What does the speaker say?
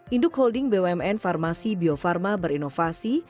induk holding bumn farmasi bio farma berinovasi